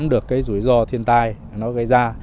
đã đảm được cái rủi ro thiên tai nó gây ra